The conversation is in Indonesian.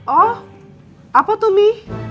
oh apa tuh mi